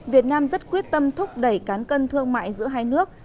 việt nam rất quyết tâm thúc đẩy cán cân thương mại giữa hai nước